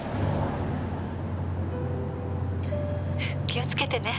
「気をつけてね」